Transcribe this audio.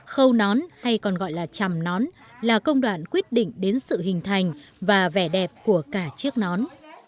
khâu nón hay còn gọi là chầm nón là công đoạn quyết định đến sự hình thành và vẻ đẹp của cả chiếc nón